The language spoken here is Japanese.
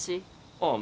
ああ。